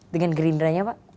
dengan gerindranya pak